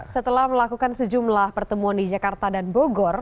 setelah melakukan sejumlah pertemuan di jakarta dan bogor